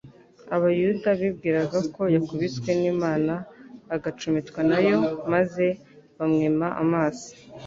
abayuda bibwiraga ko «yakubiswe n'Imana agacumitwa nayo, maze bamwima amaso.»